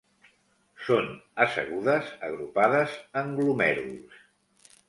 Són assegudes, agrupades en glomèruls.